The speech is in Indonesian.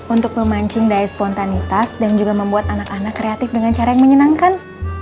untuk memancing daya spontanitas dan juga membuat anak anak kreatif dengan cara yang menyenangkan